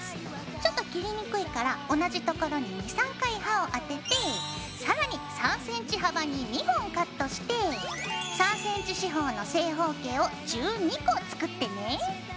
ちょっと切りにくいから同じところに２３回刃を当てて更に３ｃｍ幅に２本カットして３ｃｍ四方の正方形を１２個作ってね。